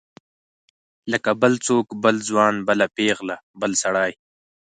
لکه بل څوک بل ځوان بله پیغله بل سړی.